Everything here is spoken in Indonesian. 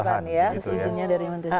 harusnya dari menteri